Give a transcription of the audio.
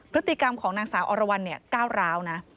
พฤติกรรมของนางสาวอรวรรณก้าวร้าวนะ